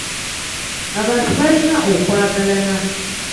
Abantu balina okwagalana.